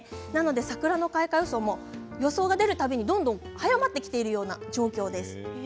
桜の開花予想も予想が出る度にどんどん早まってきている状況です。